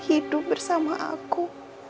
hidup bersama aku